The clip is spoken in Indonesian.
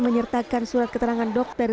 menyertakan surat keterangan dokter